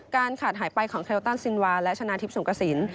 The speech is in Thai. ขาดหายไปของเทลตันซินวาและชนะทิพย์สงกระสิน